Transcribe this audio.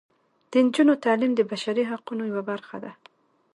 د نجونو تعلیم د بشري حقونو یوه برخه ده.